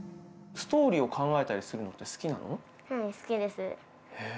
ストーリーを考えたりするのうん、好きです。